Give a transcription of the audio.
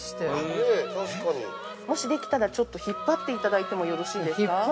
◆もしできたら、引っ張っていただいてもよろしいですか。